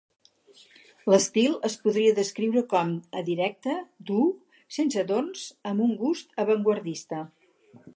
L'estil es podria descriure com a directe, dur, sense adorns, amb un gust avantguardista.